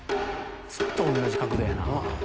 ずっと同じ角度やな。